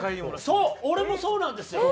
そう俺もそうなんですよ。